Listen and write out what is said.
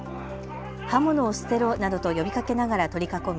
刃物を捨てろなどと呼びかけながら取り囲み